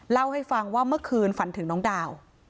เล่าให้ฟังว่าเมื่อคืนฝันถึงน้องดาว